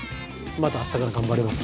また明日から頑張れます。